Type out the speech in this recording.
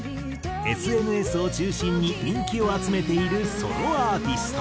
ＳＮＳを中心に人気を集めているソロアーティスト。